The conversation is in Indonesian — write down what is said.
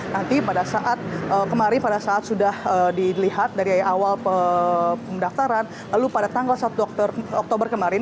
nanti pada saat kemarin pada saat sudah dilihat dari awal pendaftaran lalu pada tanggal satu oktober kemarin